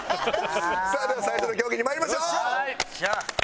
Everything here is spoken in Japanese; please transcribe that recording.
さあでは最初の競技にまいりましょう！